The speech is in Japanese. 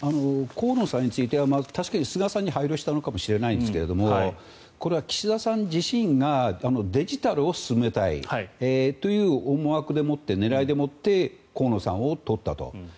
河野さんについては確かに菅さんに配慮したのかもしれませんがこれは岸田さん自身がデジタルを進めたいという思惑でもって狙いでもって河野さんを取ったと。